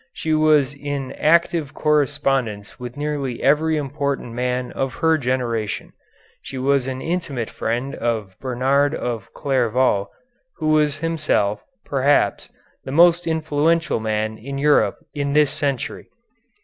She was in active correspondence with nearly every important man of her generation. She was an intimate friend of Bernard of Clairvaux, who was himself, perhaps, the most influential man in Europe in this century.